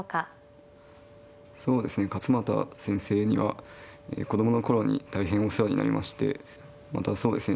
そうですね勝又先生には子供の頃に大変お世話になりましてまたそうですね